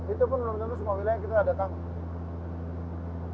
itu pun belum tentu semua wilayah kita ada tanggung